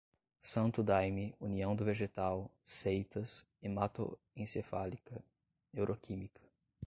santo daime, união do vegetal, seitas, hematoencefálica, neuroquímica